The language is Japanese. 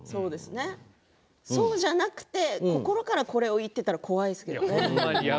そうじゃなくて心からこれを言っていたら怖いですよね。